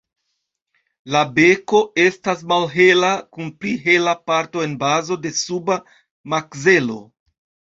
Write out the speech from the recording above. La beko estas malhela kun pli hela parto en bazo de suba makzelo.